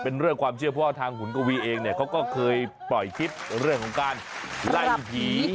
เป็นเรื่องความเชื่อเพราะว่าทางหุ่นกวีเองเนี่ยเขาก็เคยปล่อยคลิปเรื่องของการไล่ผี